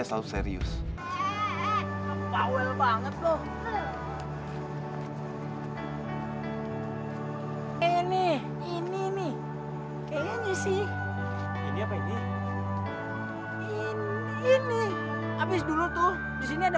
selalu serius paul banget loh ini ini nih kayaknya sih ini apa ini ini habis dulu tuh disini ada